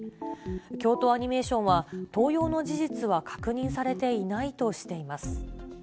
京都アニメーションは、盗用の事実は確認されていないとしています。